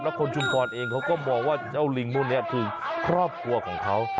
คนชุมพรเองเขาก็มองว่าเจ้าลิงพวกนี้คือครอบครัวของเขา